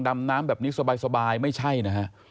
ดำน้ำแบบนี้สบายไม่ใช่นะฮะ